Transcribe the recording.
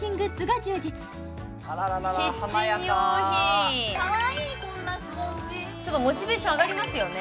あらららら華やかキッチン用品かわいいこんなスポンジちょっとモチベーション上がりますよね